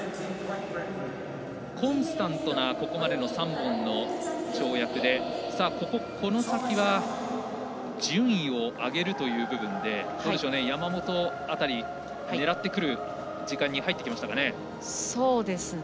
コンスタントなここまでの３本の跳躍でこの先は順位を上げるという部分で山本辺り、狙ってくる時間に入ってきましたかね。